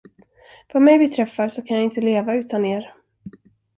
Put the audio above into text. Vad mig beträffar, så kan jag inte leva utan er.